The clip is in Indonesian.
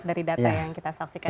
dari data yang kita saksikan